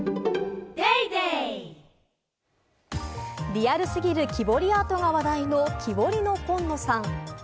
リアル過ぎる木彫りアートが話題のキボリノコンノさん。